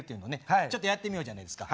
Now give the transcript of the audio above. ちょっとやってみようじゃないですか。